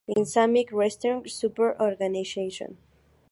Islamic Resistance Support Organization